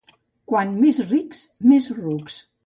Quan més rics més rucs